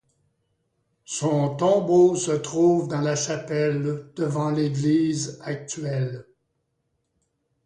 Son tombeau se trouve dans la chapelle, devant l'église actuelle.